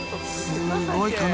すごいな。